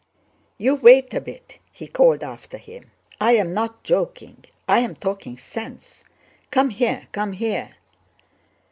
"You wait a bit," he called after him. "I'm not joking, I'm talking sense. Come here, come here!"